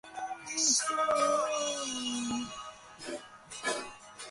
তিনি প্যারিস বিশ্ববিদ্যালয়ে শিক্ষকতার করার আমন্ত্রণ গ্রহণ করেছিলেন।